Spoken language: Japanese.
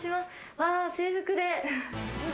わ制服で。